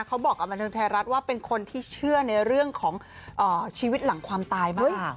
เขาบอกกับบันเทิงไทยรัฐว่าเป็นคนที่เชื่อในเรื่องของชีวิตหลังความตายบ้าง